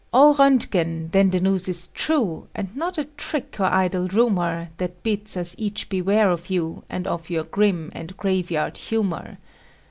O Roentgen, then the news is true And not a trick or idle rumor That bids us each beware oj you And of your grim and graveyard humor.